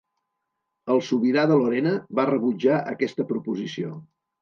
El sobirà de Lorena va rebutjar aquesta proposició.